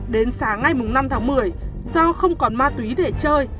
đến sáng ngày năm tháng một mươi do không còn ma túy để chơi